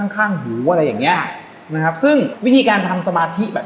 ข้างข้างหูอะไรอย่างเงี้ยนะครับซึ่งวิธีการทำสมาธิแบบ